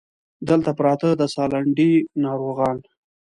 دلته پراته د سالنډۍ ناروغان